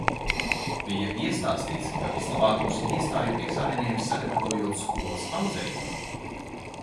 Bija iestāstīts, ka vislabāk uz iestāju eksāmeniem sagatavojot skolas audzēkņi.